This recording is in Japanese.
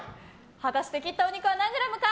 果たして切ったお肉は何グラムか？